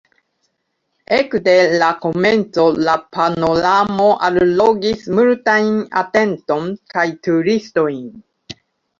Ekde la komenco, la panoramo allogis multajn atenton kaj turistojn.